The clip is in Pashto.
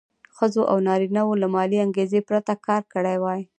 ښځو او نارینه وو له مالي انګېزې پرته کار کړی وای.